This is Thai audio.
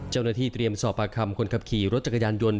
เจ้าหน้าที่เตรียมสอบปากคำคนขับขี่รถจักรยานยนต์